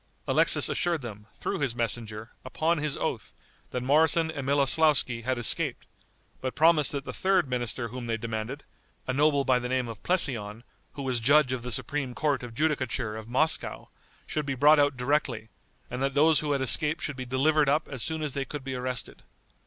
Alexis assured them, through his messenger, upon his oath, that Moroson and Miloslauski had escaped, but promised that the third minister whom they demanded, a noble by the name of Plesseon, who was judge of the supreme court of judicature of Moscow, should be brought out directly, and that those who had escaped should be delivered up as soon as they could be arrested.